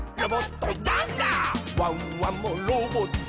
「ワンワンもロボット」